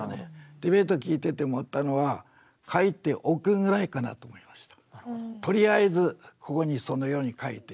ディベート聞いてて思ったのは「書いておく」ぐらいかなと思いました。